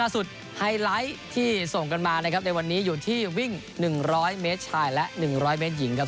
สุดไฮไลท์ที่ส่งกันมานะครับในวันนี้อยู่ที่วิ่ง๑๐๐เมตรชายและ๑๐๐เมตรหญิงครับ